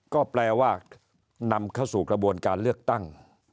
ก็แปลว่านำเข้าสู่กระบวนการเลือกตั้ง